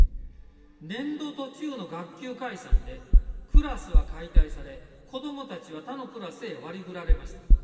年度途中の学級解散でクラスは解体され、子どもたちは他のクラスへ割り振られました。